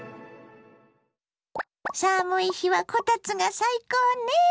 寒い日はこたつが最高ね。